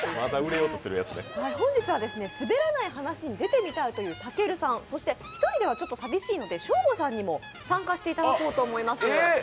本日は「すべらない話」に出てみたいというたけるさん、そして１人ではちょっと寂しいのでショーゴさんにも参加していただきたいと思います。